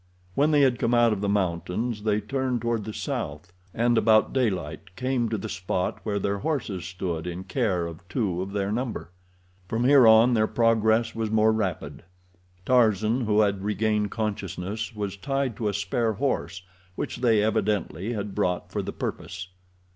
When they had come out of the mountains they turned toward the south, and about daylight came to the spot where their horses stood in care of two of their number. From here on their progress was more rapid. Tarzan, who had regained consciousness, was tied to a spare horse, which they evidently had brought for the purpose.